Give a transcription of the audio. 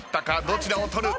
どちらを取る？